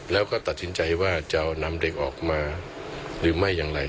แล้วก็ตัดสินใจว่าจะนำเด็กออกมาหรือไม่อย่างไร